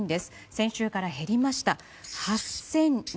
先週から減りました。